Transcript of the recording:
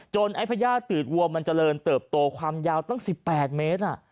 ไอ้พญาติตืดวัวมันเจริญเติบโตความยาวตั้ง๑๘เมตร